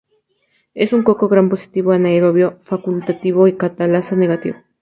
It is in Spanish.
Es un coco gram positivo, anaerobio facultativo y catalasa negativo.